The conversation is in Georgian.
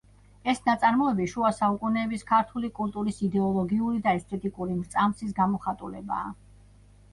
ეს ნაწარმოები შუა საუკუნეების ქართული კულტურის იდეოლოგიური და ესთეტიკური მრწამსის გამოხატულებაა.